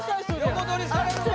横取りされるか？